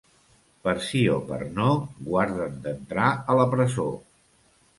Per si o per no, guarda't d'entrar a la presó.